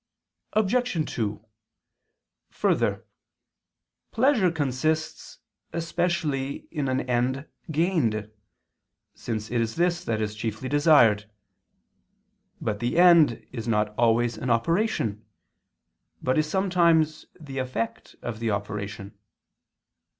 Obj. 2: Further, pleasure consists especially in an end gained: since it is this that is chiefly desired. But the end is not always an operation, but is sometimes the effect of the operation.